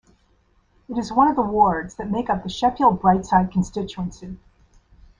It is one of the wards that make up the Sheffield Brightside constituency.